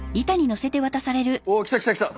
おお来た来た来た！